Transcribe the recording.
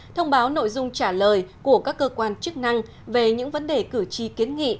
thông báo nội dung trả lời của các cơ quan chức năng về những vấn đề cử tri kiến nghị